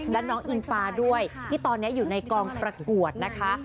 และน้องอิงฟ้าด้วยที่ตอนนี้อยู่ในกองประกวดนะคะ